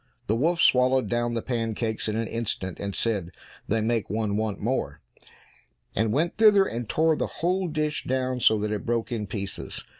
The wolf swallowed down the pancakes in an instant, and said, "They make one want more," and went thither and tore the whole dish down so that it broke in pieces.